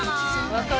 「分かる」